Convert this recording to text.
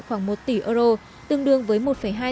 khoảng một tỷ euro tương đương với